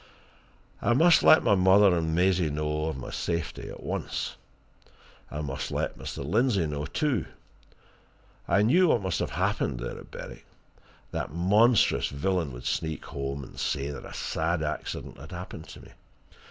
I must let my mother and Maisie know of my safety at once. I must let Mr. Lindsey know, too. I knew what must have happened there at Berwick. That monstrous villain would sneak home and say that a sad accident had happened me.